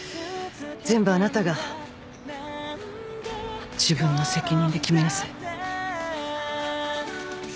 全部あなたが自分の責任で決めなさい